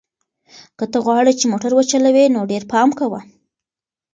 که ته غواړې چې موټر وچلوې نو ډېر پام کوه.